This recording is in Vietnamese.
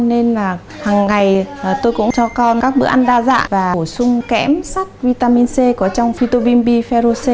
nên là hằng ngày tôi cũng cho con các bữa ăn đa dạng và phổ sung kẽm sát vitamin c có trong phytovim b ferro c